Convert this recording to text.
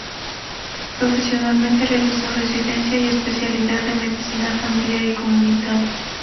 Profesionalmente realizó Residencia y Especialidad de Medicina Familiar y Comunitaria.